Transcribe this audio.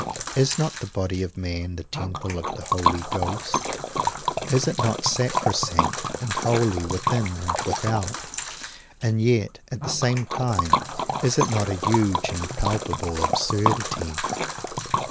Is not the body of man the temple of the Holy Ghost? Is it not sacrosanct and holy within and without; and yet, at the same time, is it not a huge and palpable absurdity?